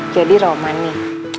jadi roman nih